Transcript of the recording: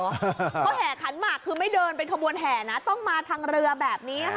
เขาแห่ขันหมากคือไม่เดินเป็นขบวนแห่นะต้องมาทางเรือแบบนี้ค่ะ